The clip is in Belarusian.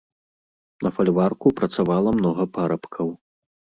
На фальварку працавала многа парабкаў.